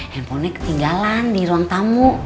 handphonenya ketinggalan di ruang tamu